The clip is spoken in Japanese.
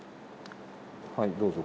はいどうぞ。